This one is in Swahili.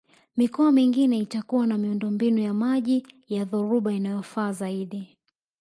Mikoa mingine itakuwa na miundombinu ya maji ya dhoruba inayofaa zaidi